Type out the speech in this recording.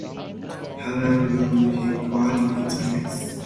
Helene looked him quietly in the face.